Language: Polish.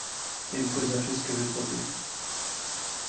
Dziękuję za wszystkie wypowiedzi